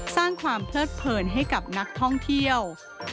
สร้างความเพลิดเผินให้กับนักท่องเที่ยว